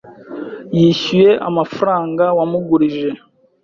Yishyuye amafaranga wamugurije?